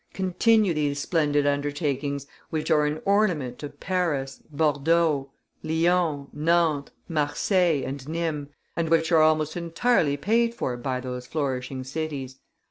Continue these splendid undertakings, which are an ornament to Paris, Bordeaux, Lyons, Nantes, Marseilles, and Nimes, and which are almost entirely paid for by those flourishing cities.